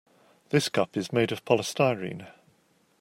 This cup is made of polystyrene.